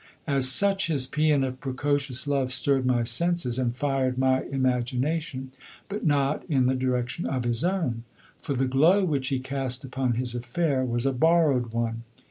As such his pæan of precocious love stirred my senses and fired my imagination, but not in the direction of his own. For the glow which he cast upon his affair was a borrowed one.